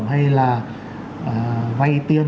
hay là vay tiền